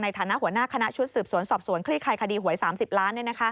ฐานะหัวหน้าคณะชุดสืบสวนสอบสวนคลี่คลายคดีหวย๓๐ล้าน